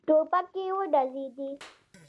ټوپکې وډزېدې.